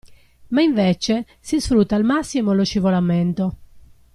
Ma invece, si sfrutta al massimo lo scivolamento.